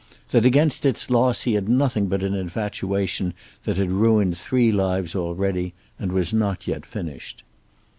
That against its loss he had nothing but an infatuation that had ruined three lives already, and was not yet finished.